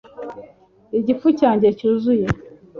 igifu cyanjye cyuzuye